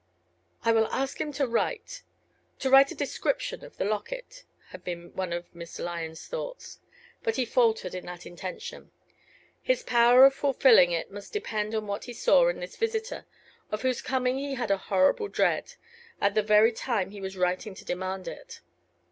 "I will ask him to write to write a description of the locket," had been one of Mr. Lyon's thoughts; but he faltered in that intention. His power of fulfilling it must depend on what he saw in this visitor, of whose coming he had a horrible dread, at the very time he was writing to demand it.